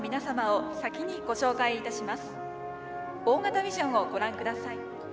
大型ビジョンをご覧ください。